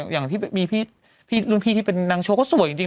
อย่างที่มีพี่รุ่นพี่ที่เป็นนางโชว์ก็สวยจริง